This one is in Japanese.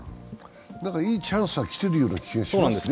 いいチャンスは来てるような気はしますね。